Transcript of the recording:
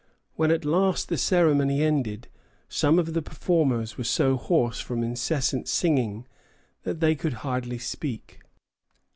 When at last the ceremony ended, some of the performers were so hoarse from incessant singing that they could hardly speak.